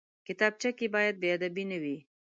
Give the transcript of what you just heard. کتابچه کې باید بېادبي نه وي